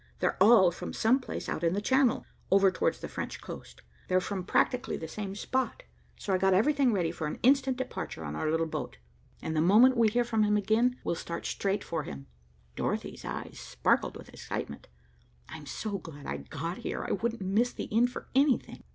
They're all from some place out in the Channel, over towards the French coast. They're from practically the same spot, so I got everything ready for an instant departure on our little boat, and the moment we hear from him again, we'll start straight for him." Dorothy's eyes sparkled with excitement. "I'm so glad I got here. I wouldn't miss the end for anything."